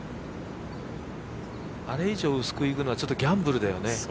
あれ以上薄くいくのはちょっとギャンブルだよね。